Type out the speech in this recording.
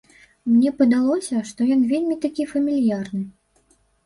Мне падалося, што ён вельмі такі фамільярны.